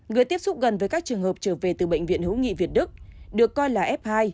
người tiếp xúc gần với các trường hợp trở về từ bệnh viện hữu nghị việt đức được coi là f hai